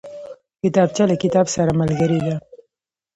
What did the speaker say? کتابچه له کتاب سره ملګرې ده